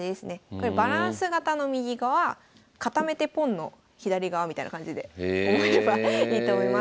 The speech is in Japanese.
これバランス型の右側固めてポンの左側みたいな感じで覚えればいいと思います。